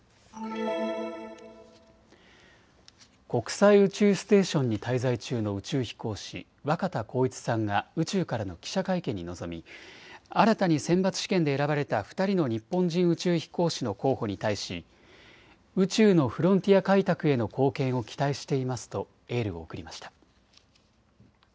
国際宇宙ステーションに滞在中の宇宙飛行士、若田光一さんが宇宙からの記者会見に臨み新たに選抜試験で選ばれた２人の日本人宇宙飛行士の候補に対し宇宙のフロンティア開拓への貢献を期待していますとエールを送りました。